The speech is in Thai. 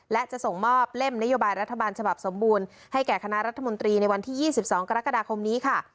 และจะส่งมอบเล่มนโยบายรัฐบาลฉบับสมบูรณ์ให้แก่คณะรัฐมนตรีในวันที่๒๒กรกฎาคมนี้ค่ะ